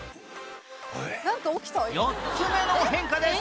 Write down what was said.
４つ目の変化です